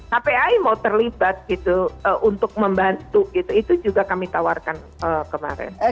kpai mau terlibat gitu untuk membantu gitu itu juga kami tawarkan kemarin